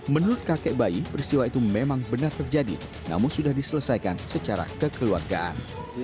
menurut kakek bayi peristiwa itu memang benar terjadi namun sudah diselesaikan secara kekeluargaan